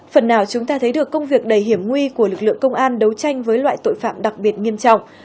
phần nào chúng ta thấy được công việc đầy hiểm nguy của lực lượng công an đấu tranh với loại tội phạm đặc biệt nghiêm trọng